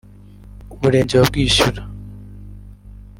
Umurenge wa Bwishyura